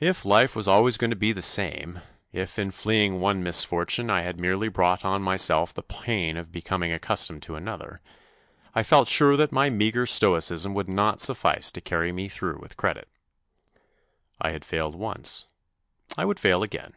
If life was always going to be the same if in fleeing one misfortune I had merely brought on myself the pain of becom ing accustomed to another I felt sure that my meagre stoicism would not suffice to carry me through with credit. I had failed once, I would fail again.